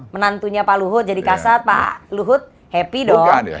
menantunya pak luhut jadi kasat pak luhut happy dong